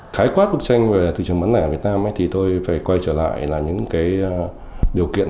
khái quát bức tranh về thị trường bán lẻ ở việt nam thì tôi phải quay trở lại là những cái điều kiện